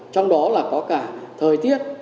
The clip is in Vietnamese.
trong đó là có cả thời tiết